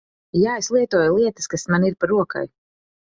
Jā, es lietoju lietas kas man ir pa rokai.